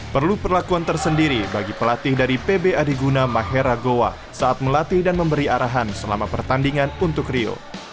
perlu perlakuan tersendiri bagi pelatih dari pb adiguna mahera goa saat melatih dan memberi arahan selama pertandingan untuk rio